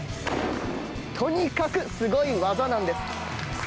とにかくすごい技なんです！